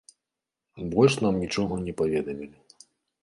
Больш нам нічога не паведамілі.